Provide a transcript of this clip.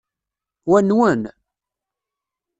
Wa nwen?